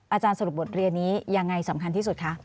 อาจารย์สรุปบทเรียนนี้ยังไงสำคัญที่สุดคะ